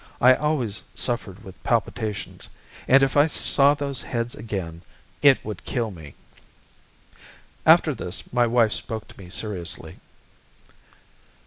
I always suffered with palpitations, and if I saw those heads again, it would kill me." After this my wife spoke to me seriously.